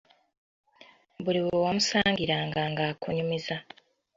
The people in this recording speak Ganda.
Buli we wamusangiranga nga akunyumiza.